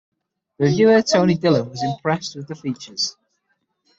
The reviewer Tony Dillon was impressed with the features.